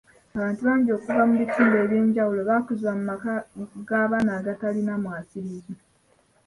Abantu bangi okuva mu bitundu ebyenjawulo bakuzibwa mu maka g'abaana abatalina mwasiriza.